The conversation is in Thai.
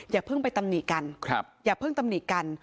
อย่าเพิ่งไปตำหนิกันอย่าเพิ่งตำหนิกัน